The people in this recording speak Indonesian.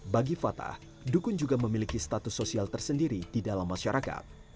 bagi fatah dukun juga memiliki status sosial tersendiri di dalam masyarakat